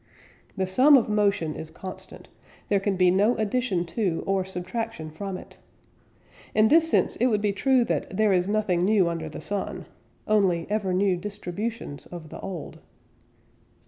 The sum of motion is constant, there can be no addition to or subtraction from it. In this sense it would be true that "there is nothing new under the sun": only ever new distributions of the old.